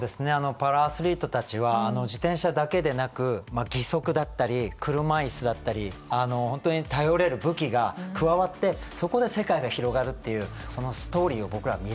パラアスリートたちは自転車だけでなく義足だったり車いすだったり本当に頼れる武器が加わってそこで世界が広がるっていうそのストーリーを僕らは見れるじゃないですか。